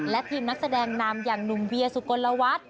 และทีมนักแสดงนำอย่างหนุ่มเวียสุกลวัฒน์